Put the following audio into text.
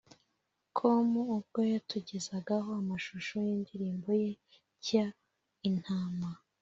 com ubwo yatugezagaho amashusho y’indirimbo ye nshya’ Intama’